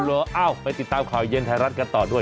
เอ้าไปติดตามข่าวเย็นไทยรัฐกันต่อด้วย